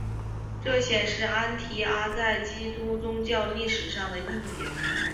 这显示安提阿在基督宗教历史上的意义。